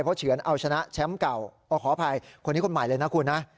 เขาเฉือนเอาชนะแชมป์เก่าขออภัยคนนี้คนใหม่เลยนะคุณนะ